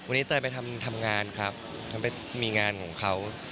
วันนี้ตัวงานไปทำงานครับทำให้มีงานของเขา